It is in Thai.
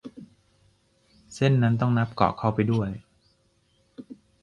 เส้นนั้นต้องนับเกาะเข้าไปด้วย